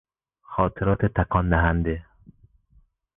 خاطرات تکان دهنده